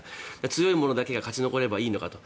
強い者だけが勝ち残ればいいのかと。